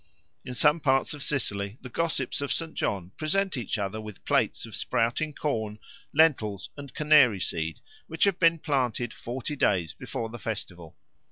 In some parts of Sicily the gossips of St. John present each other with plates of sprouting corn, lentils, and canary seed, which have been planted forty days before the festival.